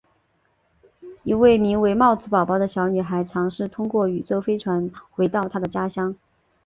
一位名为帽子宝宝的小女孩尝试通过宇宙飞船回到她的家乡。